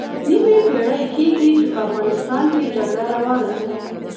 نیمه پېړۍ کېږي چې په افغانستان کې جګړه روانه ده.